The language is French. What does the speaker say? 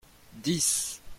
dix.